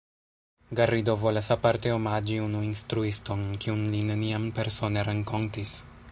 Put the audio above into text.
Garrido volas aparte omaĝi unu instruiston, kiun li neniam persone renkontis.